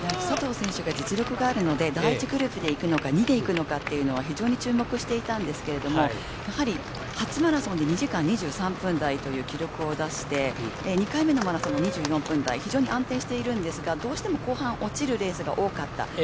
佐藤選手が実力があるので第１グループでいくのか２で行くのかっていうのは非常に注目していたんですけど初マラソンで２時間２３分台という記録を出して２回目のマラソンが２４分台非常に安定しているんですがどうしても後半落ちるレースが多かった。